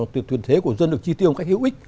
tuyển thế của dân được chi tiêu một cách hữu ích